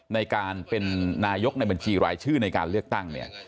ในการเป็นนายกในบัญชีรายชื่อในการเลือกตั้งเนี่ย